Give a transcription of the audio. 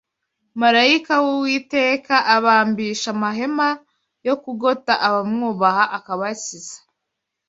Marayika w’Uwiteka abambisha amahema yo kugota abamwubaha, akabakiza